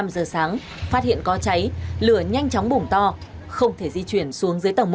năm giờ sáng phát hiện có cháy lửa nhanh chóng bùng to không thể di chuyển xuống dưới tầng một